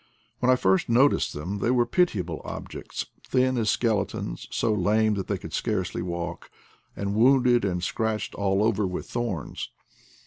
When I first no ticed them they were pitiable objects, thin as skeletons, so lame that they could scarcely walk, and wounded and scratched all over with thorns.